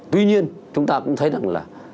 tuy nhiên chúng ta cũng thấy rằng là